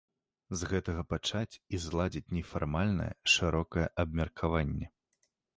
З гэтага пачаць і зладзіць нефармальнае, шырокае абмеркаванне.